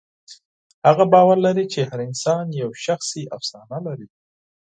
هغه باور لري چې هر انسان یوه شخصي افسانه لري.